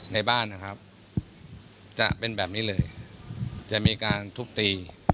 ในบ้านนะครับจะเป็นแบบนี้เลยจะมีการทุบตี